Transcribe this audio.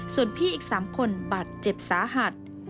ส่วนพี่อีก๓คนบาดเจ็บสาหัส